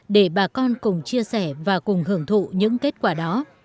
để bà con cùng chia sẻ và cùng hưởng thụ những kết quả đó